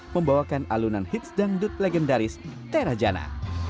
membawakan alunan hits dangdut legendaris terajana